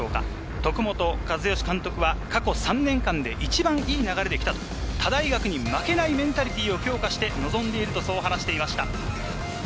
徳本一善監督は、過去３年間で一番いい流れできたと、他大学に負けないメンタリティーを強化して臨んでいると、そう話していました。